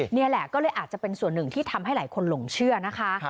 นี่แหละก็เลยอาจจะเป็นส่วนหนึ่งที่ทำให้หลายคนหลงเชื่อนะคะ